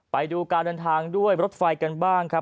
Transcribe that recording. ไปดูการเดินทางด้วยรถไฟกันบ้างครับ